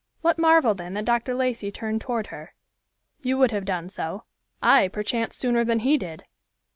What marvel then that Dr. Lacey turned toward her. You would have done so; ay, perchance sooner than he did.